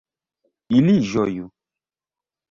Ili ĝoju!